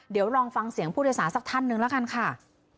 เดี๋ยวลองฟังเสียงผู้โดยสารสักท่านหนึ่งแล้วกันค่ะ